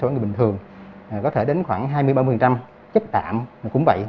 như bình thường có thể đến khoảng hai mươi ba mươi chất đạm cũng vậy